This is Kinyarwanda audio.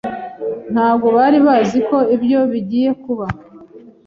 Ntabwo bari bazi ko ibyo bigiye kuba.